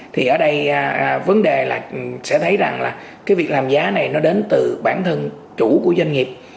thì ở đây vấn đề là sẽ thấy rằng là cái việc làm giá này nó đến từ bản thân chủ của doanh nghiệp